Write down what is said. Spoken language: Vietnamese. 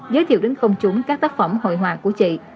giới thiệu đến công chúng các tác phẩm hội họa của chị